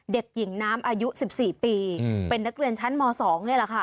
เด็กหญิงน้ำอายุ๑๔ปีเป็นนักเรียนชั้นม๒นี่แหละค่ะ